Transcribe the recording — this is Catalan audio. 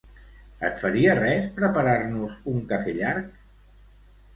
Et faria res preparar-nos un cafè llarg?